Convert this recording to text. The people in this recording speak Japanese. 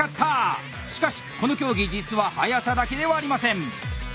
しかしこの競技実は速さだけではありません。